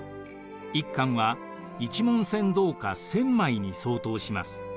一貫は一文銭銅貨１，０００枚に相当します。